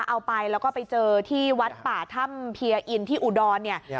เอาไปแล้วก็ไปเจอที่วัดป่าถ้ำเพียอินที่อุดรเนี่ย